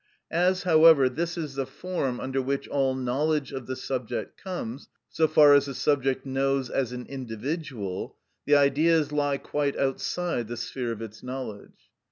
As, however, this is the form under which all knowledge of the subject comes, so far as the subject knows as an individual, the Ideas lie quite outside the sphere of its knowledge.